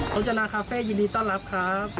จนาคาเฟ่ยินดีต้อนรับครับ